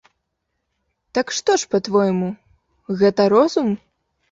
Так што ж па-твойму, гэта розум?